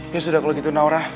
ya sudah kalau gitu naura